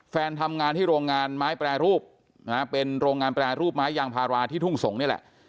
แฟนทำงานที่โรงงานไม้แปรรูปนะฮะเป็นโรงงานแปรรูปไม้ยางพาราที่ทุ่งสงศ์นี่แหละ